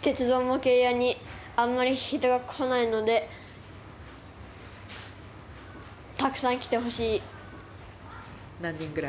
鉄道模型屋にあんまり人が来ないのでたくさん来てほしい。何人ぐらい？